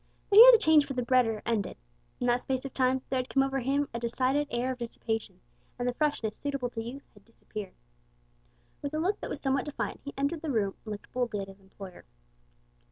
But here the change for the better ended. In that space of time there had come over him a decided air of dissipation, and the freshness suitable to youth had disappeared. With a look that was somewhat defiant he entered the room and looked boldly at his employer.